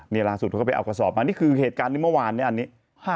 ในหลังสุดเขาก็ไปเอากระสอบมานี่คือเหตุการณ์ในเมื่อวานอันนี้